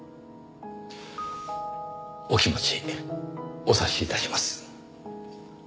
お気持ちお察し致します。